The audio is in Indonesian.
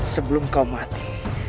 sebelum kau mati